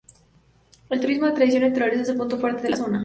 El turismo de tradición y naturaleza es el punto fuerte de la zona.